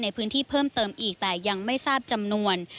ในพื้นที่เพิ่มเติมอีกแต่ยังไม่ทราบจำนวน